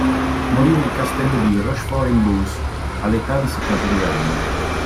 Morì nel castello di Rochefort-en-Beauce all'età di settantadue anni.